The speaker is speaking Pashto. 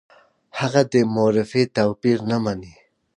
هغه د مورفي توپیر نه ویني.